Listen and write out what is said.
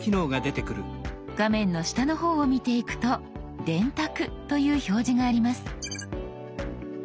画面の下の方を見ていくと「電卓」という表示があります。